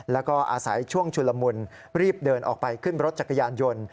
แล้วก็อาศัยช่วงชุลมุนรีบเดินออกไปขึ้นรถจักรยานยนต์